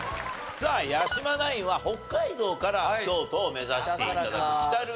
さあ八嶋ナインは北海道から京都を目指して頂く北ルートの挑戦になります。